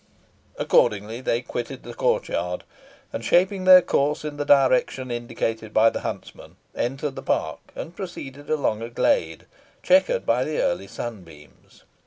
Accordingly they quitted the court yard, and, shaping their course in the direction indicated by the huntsman, entered the park, and proceeded along a glade, checkered by the early sunbeams.